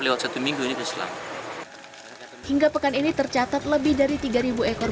lewat satu minggu itu selamat hingga pekan ini tercatat lebih dari tiga ekor